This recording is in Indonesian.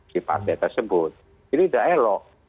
si partai tersebut jadi tidak elok